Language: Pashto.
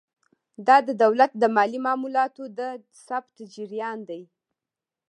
دا د دولت د مالي معاملاتو د ثبت جریان دی.